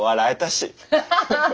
ハハハハ！